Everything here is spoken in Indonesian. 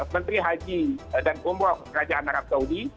menteri haji dan umroh kerajaan arab saudi